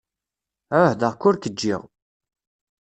Ԑuhdeɣ-k ur k-ǧǧiɣ.